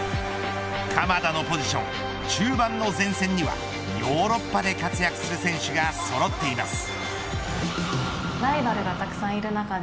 鎌田のポジション中盤の前線にはヨーロッパで活躍する選手がそろっています。